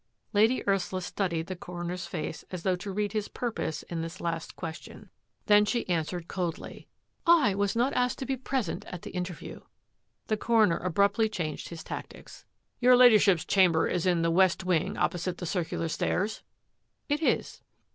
Lady Ursula studied the coroner's face as though to read his purpose in this last question ; then she THRUST AND PARRY 179 answered coldly, " I was not asked to be present at the interview." The coroner abruptly changed his tactics. " Your Ladyship's chamber is in the west wing opposite the circular stairs ?''" It is."